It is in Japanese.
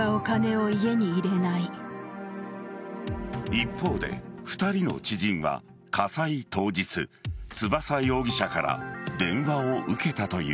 一方で２人の知人は、火災当日翼容疑者から電話を受けたという。